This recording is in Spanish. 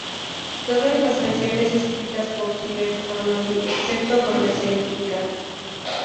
Todas las canciones escritas por Tyler Connolly excepto donde se indica.